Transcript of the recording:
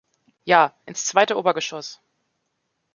Ja, ins zweite Obergeschoss.